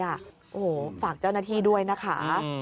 โอ้โหฝากเจ้าหน้าที่ด้วยนะคะ